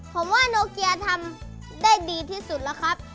ผมว่าโนเกียทำได้ดีที่สุดแล้วครับ